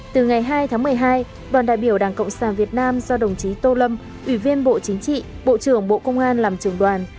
từ ngày hai tháng một mươi hai đoàn đại biểu đảng cộng sản việt nam do đồng chí tô lâm ủy viên bộ chính trị bộ trưởng bộ công an làm trường đoàn